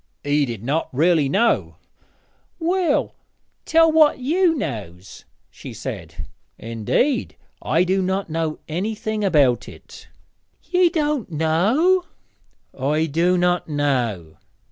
'He did not really know.' 'Well, tell what you knows,' she said. 'Indeed, I do not know anything about it.' 'Ye doän't know!' 'I do not know.'